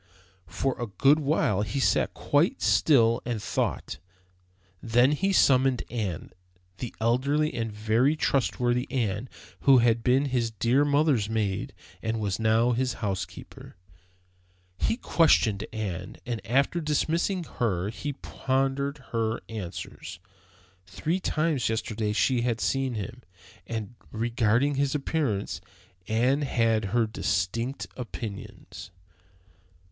For a good while he sat quite still and thought. Then he summoned Ann, the elderly and very trustworthy Ann, who had been his dear mother's maid, and was now his housekeeper. He questioned Ann, and after dismissing her he pondered her answers. Three times yesterday she had seen him, and regarding his appearance Ann had her distinct opinions.